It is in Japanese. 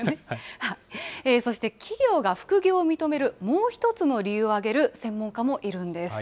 そして企業が副業を認めるもう一つの理由を挙げる専門家もいるんです。